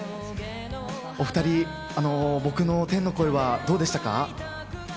お２人、僕の天の声はどうでしたか？